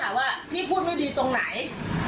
เราก็เสียหาย